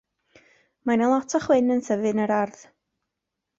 Mae 'na lot o chwyn y tyfu yn yr ardd.